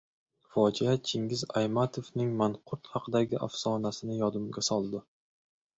Fojia Chingiz Aytmatovning manqurt haqidagi afsonasini yodimga soldi.